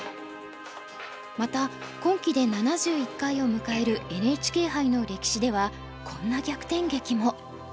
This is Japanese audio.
また今期で７１回を迎えるＮＨＫ杯の歴史ではこんな逆転劇も。